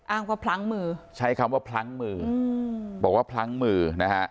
อ้างว่าพลั้งมือใช้คำว่าพลั้งมือ